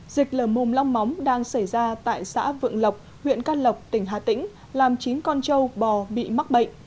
dịch lờ mùm long móng đang xảy ra tại xã vượng lộc huyện căn lộc tỉnh hà tĩnh làm chín con trâu bò bị mắc bệnh